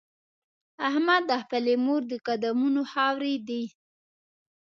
احمد د خپلې مور د قدمونو خاورې دی.